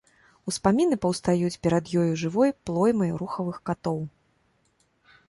Успаміны паўстаюць перад ёю жывой плоймай рухавых катоў.